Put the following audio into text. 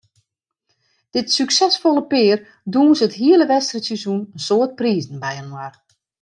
Dit suksesfolle pear dûnse it hiele wedstriidseizoen in soad prizen byinoar.